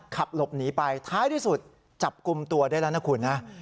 ขับหลบหนีไปท้ายที่สุดจับกลุ่มตัวได้แล้วนะคุณนะ